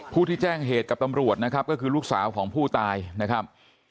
ผู้ที่แจ้งเหตุกับตำรวจนะครับก็คือลูกสาวของผู้ตายนะครับ